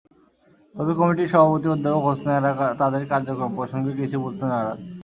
তবে কমিটির সভাপতি অধ্যাপক হোসনে আরা তাঁদের কার্যক্রম প্রসঙ্গে কিছু বলতে নারাজ।